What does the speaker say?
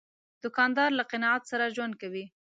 دوکاندار له قناعت سره ژوند کوي.